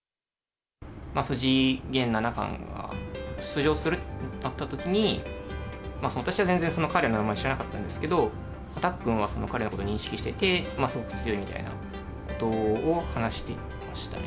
藤井現七冠が出場するとなったときに、私は全然、彼の名前知らなかったんですけど、たっくんは彼のこと認識してて、すごく強いみたいなことを話していましたね。